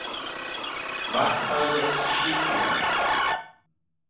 Was also ist schief gegangen?